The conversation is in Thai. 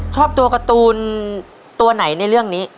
ชอบตัวการ์ตูนตัวไหนในเรื่องนี้